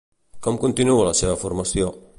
Com continua la seva formació?